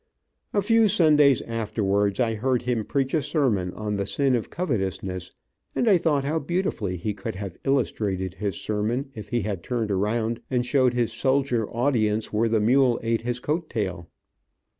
A few Sundays afterwards I heard him preach a sermon on the sin of covetousness, and I thought how beautifully he could have illustrated his sermon if he had turned around and showed his soldier audience where the mule eat his coat tail.